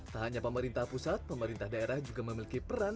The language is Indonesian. tak hanya pemerintah pusat pemerintah daerah juga memiliki peran